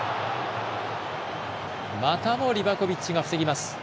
またもリバコビッチが防ぎます。